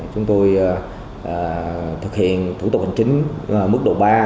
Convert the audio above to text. chúng tôi thực hiện thủ tục hành chính mức độ ba